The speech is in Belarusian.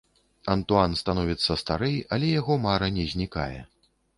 Антуан становіцца старэй, але яго мара не знікае.